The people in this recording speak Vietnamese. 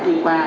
tại bệnh viện